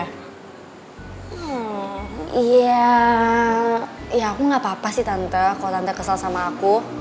hmm iya ya aku gak apa apa sih tante kalau tante kesal sama aku